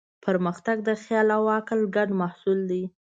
پرمختګ د خیال او عقل ګډ محصول دی.